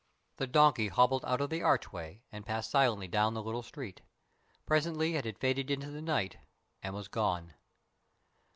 The donkey hobbled out of the archway and passed silently down the little street. Presently it had faded into the night and was gone.